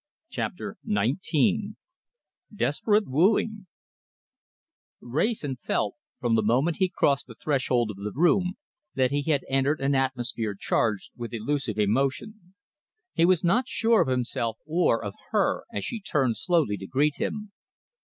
CHAPTER XIX DESPERATE WOOING Wrayson felt, from the moment he crossed the threshold of the room, that he had entered an atmosphere charged with elusive emotion. He was not sure of himself or of her as she turned slowly to greet him.